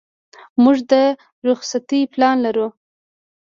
موږ د رخصتۍ پلان لرو.